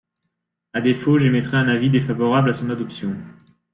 À défaut, j’émettrai un avis défavorable à son adoption.